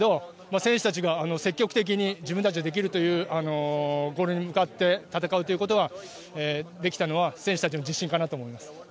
選手たちが積極的に自分たちはできるというゴールに向かって戦うことができたのは選手たちの自信かなと思います。